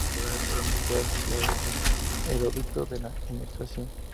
Desde estos lugares fueron copiadas y estudiadas por eruditos de la Ilustración.